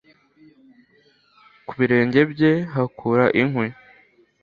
Ku birenge bye hakura inkwi